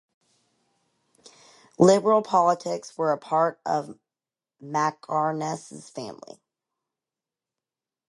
Liberal politics were a part of Mackarness' family.